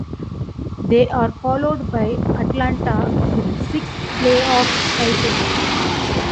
They are followed by Atlanta, with six playoff titles.